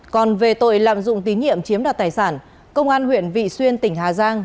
còn về tội lạm dụng tín nhiệm chiếm đoạt tài sản công an huyện vị xuyên tỉnh hà giang